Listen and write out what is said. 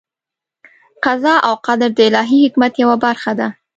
قضا او قدر د الهي حکمت یوه برخه ده.